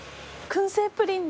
燻製プリン！